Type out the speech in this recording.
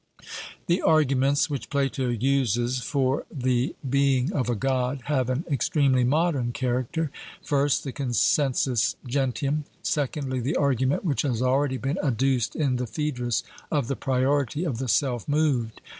The arguments which Plato uses for the being of a God, have an extremely modern character: first, the consensus gentium; secondly, the argument which has already been adduced in the Phaedrus, of the priority of the self moved.